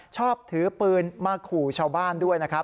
ชอบถือปืนมาขู่ชาวบ้านด้วยนะครับ